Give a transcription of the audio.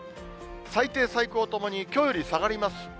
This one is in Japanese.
最低、最高ともにきょうより下がります。